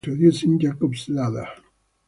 Broonsie" when introducing "Jacob's Ladder.